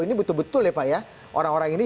ini betul betul ya pak ya orang orang ini